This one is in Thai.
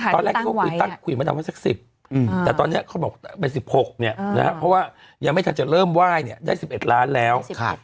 ตอนแรกที่เขาคุยตั้งคุยกับพระดำว่าสัก๑๐แต่ตอนนี้เขาบอกเป็น๑๖เนี่ยนะครับเพราะว่ายังไม่ทันจะเริ่มไหว้เนี่ยได้๑๑ล้านแล้ว